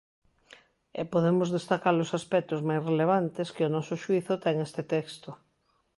E podemos destacar os aspectos máis relevantes que ao noso xuízo ten este texto.